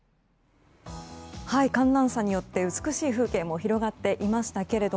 寒暖差によって美しい風景も広がっていましたけど